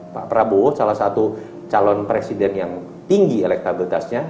pak prabowo salah satu calon presiden yang tinggi elektabilitasnya